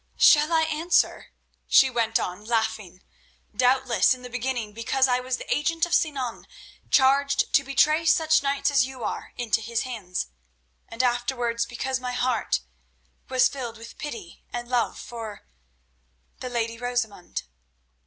"Shall I answer?" she went on, laughing. "Doubtless in the beginning because I was the agent of Sinan, charged to betray such knights as you are into his hands, and afterwards because my heart was filled with pity and love for—the lady Rosamund."